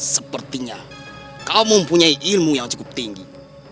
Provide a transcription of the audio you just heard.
sepertinya kau mempunyai ilmu yang cukup tinggi